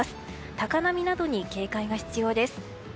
高波などに警戒が必要です。